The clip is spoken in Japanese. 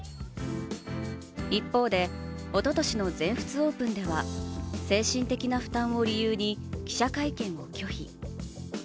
一方で、おととしの全仏オープンでは精神的な負担を理由に記者会見を拒否。